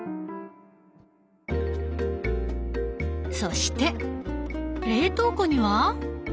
そして冷凍庫には？